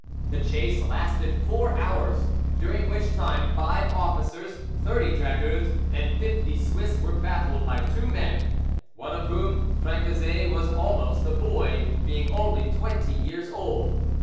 The chase lasted four hours, during which time five officers, thirty dragoons, and fifty Swiss were baffled by two men, one of whom Francezet was almost a boy, being only twenty years old!